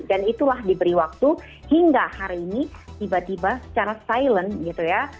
dan itulah diberi waktu hingga hari ini tiba tiba secara silent gitu ya